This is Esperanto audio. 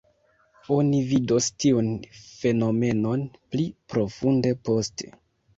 Oni vidos tiun fenomenon pli profunde poste.